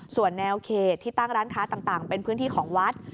ส่วนแนวเขตที่ตั้งร้านค้าต่างเป็นพื้นที่ของวัด